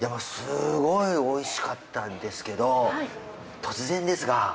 すごいおいしかったんですけど突然ですが。